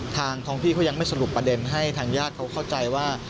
ทางท้องพี่เขายังไม่สรุปประเด็นให้ทางญาติเขาเข้าใจว่า